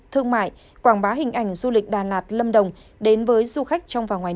thương mại quảng bá hình ảnh du lịch đà lạt lâm đồng đến với du khách trong và ngoài